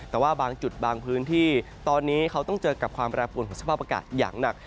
แต่ว่าบางจุดบางพื้นที่ตอนนี้เขาต้องเจอกับความแปรปวนของสภาพอากาศอย่างหนัก